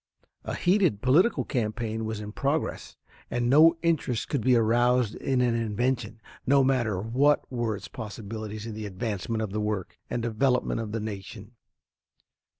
A heated political campaign was in progress, and no interest could be aroused in an invention, no matter what were its possibilities in the advancement of the work and development of the nation.